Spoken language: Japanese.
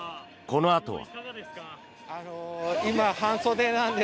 このあとは。